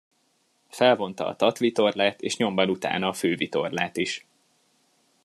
Felvonta a tatvitorlát és nyomban utána a fővitorlát is.